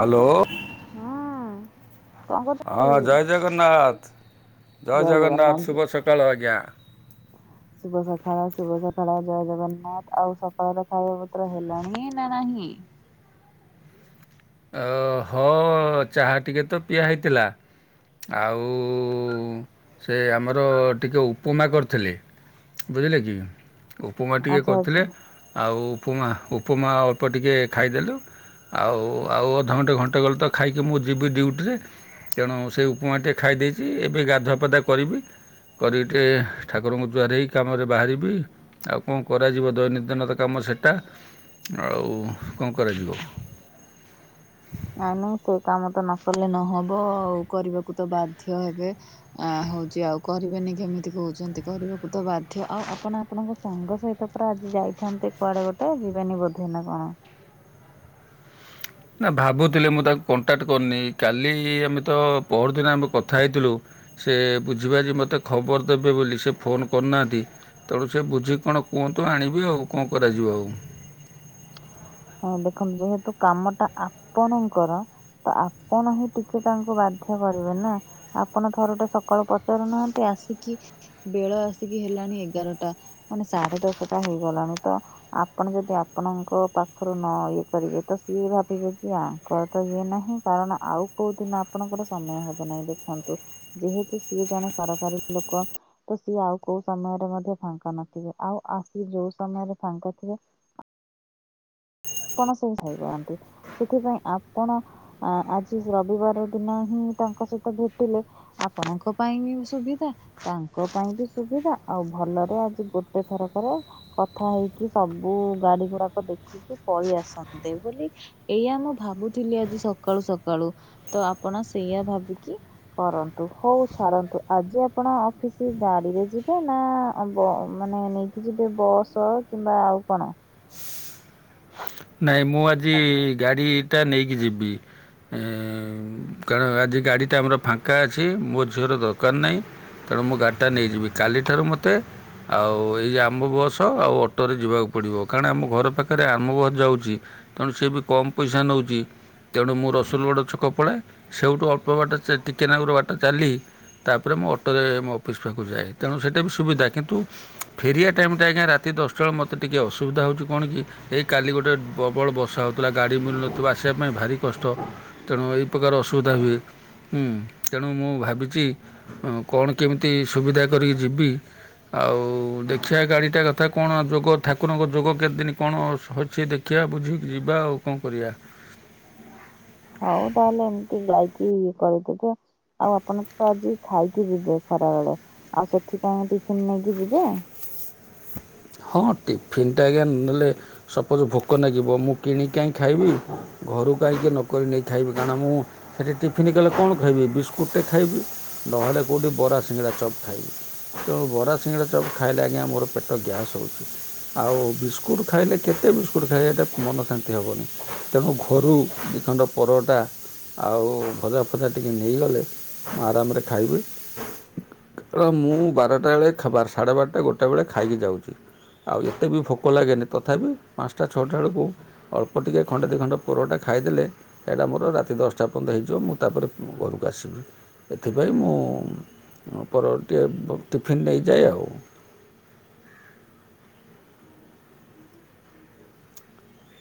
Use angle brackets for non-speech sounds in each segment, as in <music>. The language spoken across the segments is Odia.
ହ୍ୟାଲୋ ହୁଁ। ହଁ ଜୟ ଜଗନ୍ନାଥ ଜୟ ଜଗନ୍ନାଥ ଶୁଭ ସକାଳ ଆଜ୍ଞା। ଶୁଭ ସକାଳ ଶୁଭ ସକାଳ ଜୟ ଜଗନ୍ନାଥ। ଆଉ ସକାଳର ଖାଇବା ପତ୍ର ହେଲାଣି ନା ନାହିଁ? ଅ ହଁ ଚାହା ଟିକେ ତ ପିଆ ହେଇଥିଲା। ଆଉ ସେ ଆମର ଟିକଏ ଉପମା କରିଥିଲେ। ବୁଝିଲେ କି ଉପମା ଟିକେ ଆଚ୍ଛା କରିଥିଲେ। ଆଚ୍ଛା। ଆଉ ଉପମା ଉପମା ଅଳ୍ପ ଟିକେ ଖାଇଦେଲୁ। ଆଉ ଆଉ ଅଧଘଣ୍ଟେ ଘଣ୍ଟେ ଗଲେ ତ ଖାଇକି ମୁଁ ଯିବି ଡ୍ୟୁଟିରେ। ତେଣୁ ସେ ଉପମାଟିଏ ଖାଇ ଦେଇଚି। ଏବେ ଗାଧୁଆ ପାଧୁଆ କରିବି। କରି ଟେ ଠାକୁରଙ୍କୁ ଜୁହାର ହେଇ କାମରେ ବାହାରିବି। ଆଉ କଁ କରାଯିବ ଦୈନନ୍ଦିନର କାମ ସେଟା ଆଉ କଁ କରାଯିବ? <inaudible> ଆଉ ନୁହଁ କି କାମ ତ ନକଲେ ନହବ ଆଉ କରିବାକୁ ତ ବାଧ୍ୟ ହେବେ। ଆ ହଉଚି ଆଉ କରିବେନି କେମିତି କୋହୁଚନ୍ତି କରିବାକୁ ତ ବାଧ୍ୟ ଆଉ ଆପଣ ଆପଣଙ୍କ ସାଙ୍ଗ ସହିତ ପରା ଆଜି ଯାଇଥାନ୍ତେ କୁଆଡ଼େ ଗୋଟେ ଯିବେନି ବୋଧେ ନା କଣ? ନାଁ ଭାବୁଥିଲି ମୁଁ ତାକୁ କଣ୍ଟାକ୍ଟ୍ କରିନେଇ କାଲି ଆମେ ତ ପହରଦିନ ଆମେ କଥା ହେଇଥିଲୁ। ସେ ବୁଝିବାଝି ମତେ ଖବର ଦେବେ ବୋଲି ସେ ଫୋନ୍ କରୁନାହାନ୍ତି ତେଳୁ ସେ ବୁଝିକି କଣ କୁହନ୍ତୁ ଆଣିବି ଆଉ କଁ କରାଯିବ ଆଉ? ହଁ ଦେଖନ୍ତୁ ଯେହେତୁ କାମଟା ଆପଣଙ୍କର ତ ଆପଣ ହିଁ ଟିକେ ତାଙ୍କୁ ବାଧ୍ୟ କରିବେ ନା। ଆପଣ ଥରୁଟେ ସକାଳୁ ପଚାରୁନାହାନ୍ତି ଆସିକି ବେଳ ଆସିକି ହେଲାଣି ଏଗାରଟା। ଅନେ ସାଢ଼େ ଦଶଟା ହେଇଗଲାଣି ତ ଆପଣ ଯଦି ଆପଣଙ୍କ ପା ଖରୁ ନ ଇଏ କରିବେ ତ ସିଏ ଭାବିବେ କି ଆଙ୍କର ତ ଇଏ ନାହିଁ କାରଣ ଆଉ କୋଉ ଦିନ ଆପଣଙ୍କର ସମୟ ହବ ନାହିଁ ଦେଖନ୍ତୁ ଯେହେତୁ ସିଏ ଜଣେ ସରକାରୀ ଲୋକ। ତ ସିଏ ଆଉ କୋଉ ସମୟରେ ମଧ୍ୟ ଫାଙ୍କା ନଥିବେ ଆଉ ଆସି ଯୋଉ ସମୟରେ ଫାଙ୍କା ଥିବେ ପଣ ସେଇ ସାହି ବାଆନ୍ତି ସେଥିପାଇଁ ଆପଣ ଆ ଆଜି ରବିବାର ଦିନ ହିଁ ତାଙ୍କ ସହିତ ଭେଟିଲେ ଆପଣଙ୍କ ପାଇଁ ବି ସୁବିଧା। ତାଙ୍କ ପାଇଁ ବି ସୁବିଧା ଆଉ ଭଲରେ ଆଜି ଗୋଟେ ଥରକରେ କଥା ହେଇକି ସବୁ ଗାଡ଼ି ଗୁଡ଼ାକ ଦେଖି ଉ ପଳିଆସନ୍ତେ ବୋଲି ଏଇଆ ମୁଁ ଭାବୁଥିଲି ଆଜି ସକାଳୁ ସକାଳୁ। ତ ଆପଣ ସେଇଆ ଭାବିକି କରନ୍ତୁ ହଉ ଛାଡ଼ନ୍ତୁ ଆଜି ଆପଣ ଅଫିସ୍ ଗାଡ଼ିରେ ଯିବେ ନାଁ ଆଉ ବ ମାନେ ନେଇକି ଯିବେ ବସ୍ କିମ୍ବା ଆଉ କଣ। ନାଇଁ ମୁଁ ଆଜି ଗାଡ଼ିଟା ନେଇକି ଯିବି। ଏଁ କାରଣ ଆଜି ଗାଡ଼ିଟା ଆମର ଫାଙ୍କା ଅଛି ମୋ ଝିଅର ଦରକାର ନାହିଁ। ତେଣୁ ମୁଁ ଗାଡ଼ିଟା ନେଇଯିବି କାଲିଠାରୁ ମତେ ଆଉ ଏଇ ଆମ ବସ ଆଉ ଅଟୋରେ ଯିବାକୁ ପଡ଼ିବ କାରଣ ଆମ ଘର ପାଖରେ ଆମ ବ ଯାଉଚି ତେଣୁ ସେ ବି କମ୍ ପଇସା ନଉଚି। ଚ୍ୟାଡ଼ୁ ମୁଁ ରସୁଲଗଡ଼ ଛକ ପଳାଏ ସେଉଠୁ ଅଳ୍ପ ବାଟ ଚା ଟିକେନାକୁରୁ ବାଟ ଚାଲି ତାପରେ ମୁଁ ଅଟୋରେ ମୋ ଅଫିସ୍ ପାଖୁ ଯାଏ ତେଣୁ ସେଇଟା ବି ସୁବିଧା କିନ୍ତୁ ଫେରିଆ ଟାଇମ୍ ଟା ଆଜ୍ଞା ରାତି ଦଶଟା ଅଳୁ ମତେ ଟିକେ ଅସୁବିଧା ହଉଚି କଣ କି ଏ କାଲି ଗୋଟେ ପ୍ରବଳ ବର୍ଷା ହେଉଥିଲା ଗାଡ଼ି ମିଳୁନଥିବ ଆସିବା ପାଇଁ ଭାରି କଷ୍ଟ। ତେଣୁ ଏଇ ପକାର ଅସୁବିଧା ହୁଏ ଉଁ ତେଣୁ ମୁଁ ଭାବିଚି ହଁ କଣ କେମିତି ସୁବିଧା କରିକି ଯିବି। ଆଉ ଦେଖିଆ ଗାଡ଼ିଟା କଥା କଣ ଯୋଗ ଠାକୁରଙ୍କ ଯୋଗ କେତେ ଦିନି କଣ ଅସ୍ ଅଛି ଦେଖିଆ ବୁଝିକି ଯିବା ଆଉ କଁ କରିଆ? ହଉ ତାହେଲେ ଏମିତି ଯାଇକି କରିଦେବେ। ଆଉ ଆପଣ ତ ଆଜି ଖାଇକି ଯିବେ ଖରା ବେଳେ ଆଉ ସେଥିପାଇଁ ଟିଫିନ୍ ନେଇକି ଯିବେ? ହଁ ଟିଫିନ୍ ଟା ଆଜ୍ଞା ନେଲେ ସପୋଜ୍ ଭୋକ ନାଗିବ ମୁଁ କିଣିକି କାଇଁ ଖାଇବି? ଘରୁ କାହିଁକି ନକରି ନେଇ ଖାଇବି କାରଣ ମୁଁ ସେଠି ଟିଫନ୍ କଲେ କଣ ଖାଇବି ବିସ୍କୁଟ୍ ଟେ ଖାଇବି। ନହେଲେ କୋଉଠି ବରା ସିଙ୍ଗଡ଼ା ଚପ୍ ଖାଇବି। ତେଣୁ ବରା ସିଙ୍ଗଡ଼ା ଚପ୍ ଖାଇଲେ ଆଜ୍ଞା ମୋର ପେଟ ଗ୍ୟାସ୍ ହଉଛି। ଆଉ ବିସ୍କୁଟ୍ ଖାଇଲେ କେତେ ବିସ୍କୁଟ୍ ଖାଇବାଟା ମନ ଶାନ୍ତି ହେବନି ତେଣୁ ଘରୁ ଦିଖଣ୍ଡ ପରଟା। ଆଉ ଭଜା ଫଜା ଟିକେ ନେଇଗଲେ ମୁଁ ଆରାମରେ ଖାଇବି। ମୁଁ ବାରଟା ବେଳେ ଖା ବାରଟା ସାଢ଼େ ବାରଟା ଗୋଟେ ବେଳେ ଖାଇକି ଯାଉଛି। ଆଉ ଏତେ ବି ଭୋକ ଲାଗେନି ତଥାପି ପାଞ୍ଚଟା ଛଅଟା ବେଳକୁ ଅଳ୍ପ ଟିକେ ଖଣ୍ଡେ ଦିଇ ଖଣ୍ଡ ପରଟା ଖାଇଦେଲେ ଏଇଟା ମୋର ରାତି ଦଶଟା ପର୍ଯ୍ୟନ୍ତ ହେଇଯିବ ମୁଁ ତାପରେ ଘରକୁ ଆସିବି। ଏଥିପାଇଁ ମୁଁ ପରଟା ଟିକେ ଟିଫିନ୍ ନେଇଯାଏ ଆଉ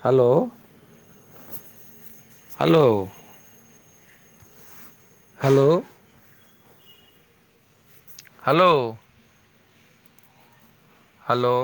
hello hello. Hello. Hello. Hello.